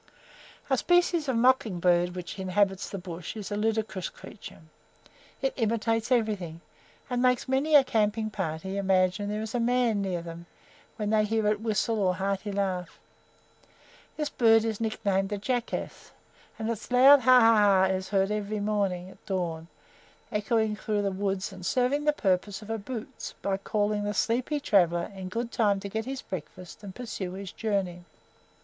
A species of mocking bird which inhabits the bush is a ludicrous creature. It imitates everything, and makes many a camping party imagine there is a man near them, when they hear its whistle or hearty laugh. This bird is nicknamed the "Jackass," and its loud "ha! ha! ha!" is heard every morning at dawn echoing through the woods and serving the purpose of a "boots" by calling the sleepy traveller in good time to get his breakfast and pursue his journey.